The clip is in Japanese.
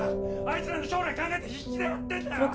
あいつらの将来考えて必死でやってんだよ